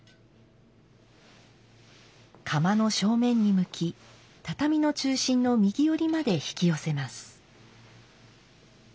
釜の正面に向き畳の中心の右寄りまで引き寄せます。